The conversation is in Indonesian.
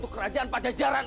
dosa deh sudah tahu kan